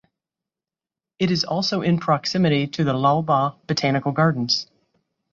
It is also in proximity to the Lalbagh Botanical Gardens.